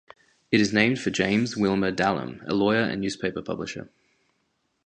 It is named for James Wilmer Dallam, a lawyer and newspaper publisher.